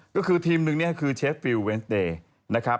ก็คือทีมหนึ่งเนี่ยคือเชฟฟิลเวนสเดย์นะครับ